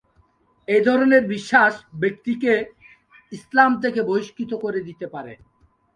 এ ধরনের বিশ্বাস ব্যক্তিকে ইসলাম থেকে বহিষ্কৃত করে দিতে পারে।